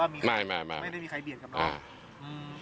ไม่ไม่ได้มีใครเบียกกับรถ